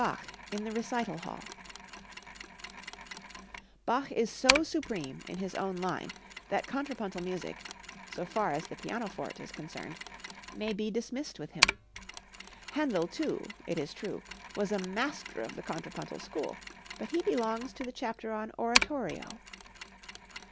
Bach in the Recital Hall. Bach is so supreme in his own line that contrapuntal music, so far as the pianoforte is concerned, may be dismissed with him. Händel, too, it is true, was a master of the contrapuntal school, but he belongs to the chapter on oratorio.